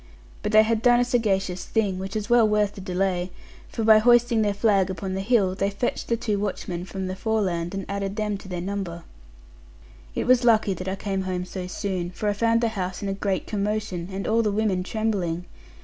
But they had done a sagacious thing, which was well worth the delay; for by hoisting their flag upon the hill, they fetched the two watchmen from the Foreland, and added them to their number. It was lucky that I came home so soon; for I found the house in a great commotion, and all the women trembling.